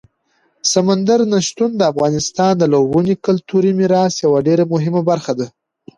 سمندر نه شتون د افغانستان د لرغوني کلتوري میراث یوه ډېره مهمه برخه ده.